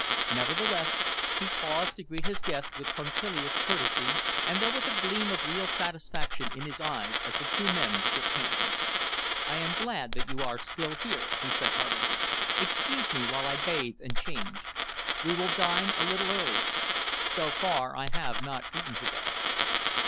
Nevertheless, he paused to greet his guest with punctilious courtesy, and there was a gleam of real satisfaction in his eyes as the two men shook hands. "I am glad that you are still here," he said heartily. "Excuse me while I bathe and change. We will dine a little earlier. So far I have not eaten to day."